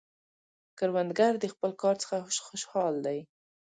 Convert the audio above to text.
کروندګر د خپل کار څخه خوشحال دی